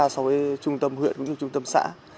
so với trung tâm huyện cũng như trung tâm xã